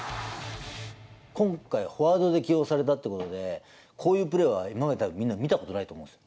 今回、フォワードで起用されたってことで、こういうプレーは今までみんな見たことないと思うんです。